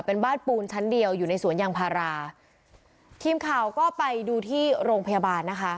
เป็นบ้านปูนชั้นเดียวอยู่ในสวนยางพาราทีมข่าวก็ไปดูที่โรงพยาบาลนะคะ